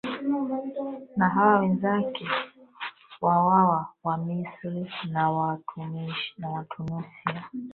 na hawa wenzake wa wa wa wamisri na na tunisia